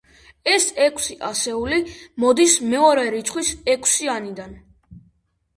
ეს ექვსი ასეული მოდის მეორე რიცხვის ექვსიანიდან.